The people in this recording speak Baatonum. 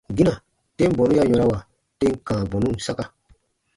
Gina, tem bɔnu ya yɔ̃rawa tem kãa bɔnun saka.